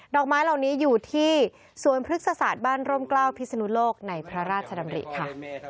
อกไม้เหล่านี้อยู่ที่สวนพฤกษศาสตร์บ้านร่มกล้าวพิศนุโลกในพระราชดำริค่ะ